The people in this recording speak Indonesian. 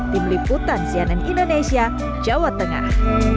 tim liputan cnn indonesia jawa tengah